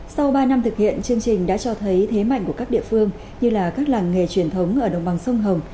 sau ba năm thực hiện chương trình đã cho thấy thế mạnh của các địa phương như là các làng nghề truyền thống ở đồng bằng sông hồng